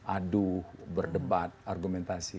aduh berdebat argumentasi